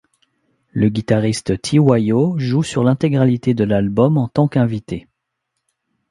Le guitariste Tiwayo joue sur l'intégralité de l'album en tant qu'invité.